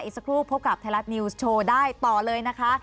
สักครู่พบกับไทยรัฐนิวส์โชว์ได้ต่อเลยนะคะ